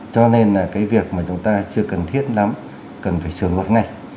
cho nên là cái việc mà chúng ta chưa cần thiết lắm cần phải sửa luật ngay